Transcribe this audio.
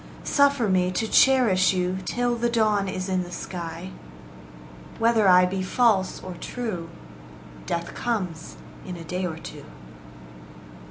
Suffer me to cherish you Till the dawn is in the sky. Whether I be false or true, Death comes in a day or two.